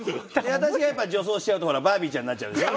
私がやっぱ女装しちゃうとほらバービーちゃんになっちゃうでしょ。